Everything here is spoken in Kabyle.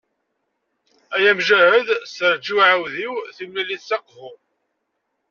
Ay amjahed serǧ i uɛudiw, timlilit s Aqbu.